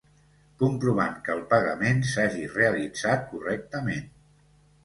Comprovant que el pagament s'hagi realitzat correctament.